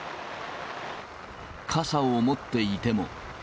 傘を持っていても。